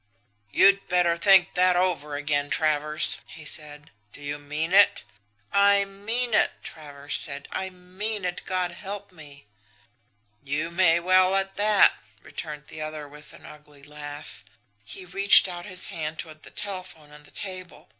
"'You'd better think that over again, Travers!' he said. 'Do you mean it?' "'I mean it,' Travers said. 'I mean it God help me!' "'You may well add that!' returned the other, with an ugly laugh. He reached out his hand toward the telephone on the table.